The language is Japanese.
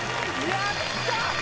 やった！